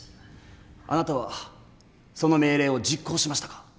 あなたはその命令を実行しましたか？